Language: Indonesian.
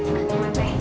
ya makasih teh